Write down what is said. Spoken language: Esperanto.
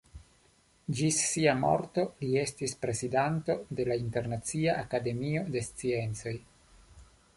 Ĝis sia morto li estis prezidanto de la Internacia Akademio de Sciencoj.